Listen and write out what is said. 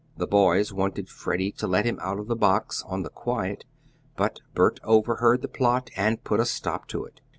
The boys wanted Freddie to let him out of the box, on the quiet, but Bert overheard the plot and put a stop to it.